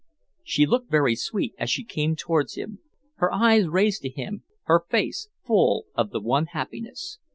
She looked very sweet as she came towards him, her eyes raised to him, her face full of the one happiness.